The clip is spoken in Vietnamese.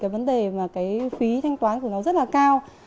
vấn đề phí thanh toán của nó rất là cao